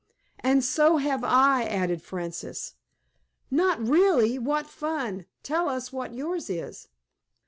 "And so have I," added Frances. "Not really! What fun! Tell us what yours is."